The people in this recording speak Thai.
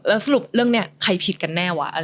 แล้วสรุปเรื่องนี้ใครผิดกันแน่วะ